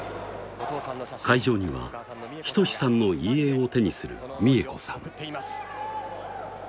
会場には仁さんの遺影を手にする三恵子さん